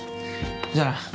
じゃあな。